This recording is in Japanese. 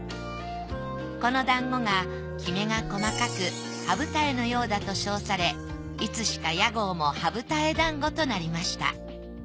この団子がきめが細かく羽二重のようだと称されいつしか屋号も羽二重団子となりました。